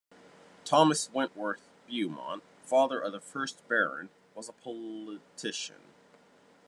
Thomas Wentworth Beaumont, father of the first Baron, was a politician.